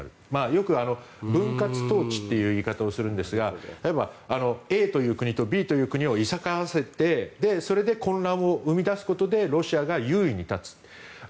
よく、分割統治という言い方をするんですが例えば、Ａという国とＢという国を戦わせてそれで混乱を生み出すことでロシアが優位に立つ。